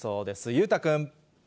裕太君。